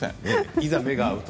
いざ目が合うと。